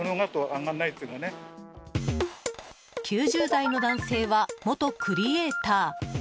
９０代の男性は元クリエーター。